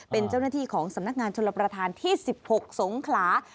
เป็นเจ้าหน้าที่ของสำนักงานชลประธานที่๑๖สงขลา